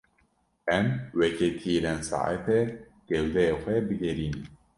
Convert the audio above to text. Em weke tîrên saetê gewdeyê xwe bigerînin.